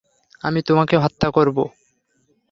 আমি তোমাকে হত্যা করবো।